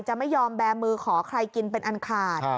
จะไม่ยอมแบร์มือขอใครกินเป็นอันขาด